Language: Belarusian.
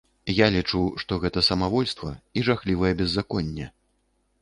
Я лічу, што гэта самавольства і жахлівае беззаконне.